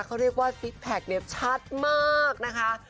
เขาเรียกว่าซิกแพคเนี่ยชัดมากนะคะ